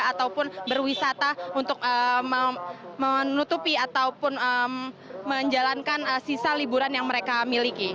ataupun berwisata untuk menutupi ataupun menjalankan sisa liburan yang mereka miliki